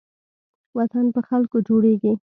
وطن په خلکو جوړېږي